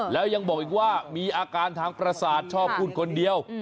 แล้วยังบอกอีกว่ามีอาการทางประสาทชอบพูดคนเดียว